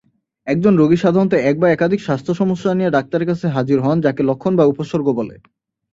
একজন রোগী সাধারণত এক বা একাধিক স্বাস্থ্য সমস্যা নিয়ে ডাক্তারের কাছে হাজির হন, যাকে লক্ষণ বা উপসর্গ বলে।